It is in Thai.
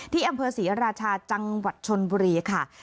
ที่อำเภอศรีราชาจังหวัดชนบุรีค่ะ